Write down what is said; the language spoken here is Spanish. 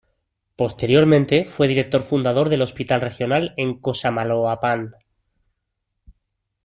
Posteriormente fue director fundador del Hospital Regional en Cosamaloapan.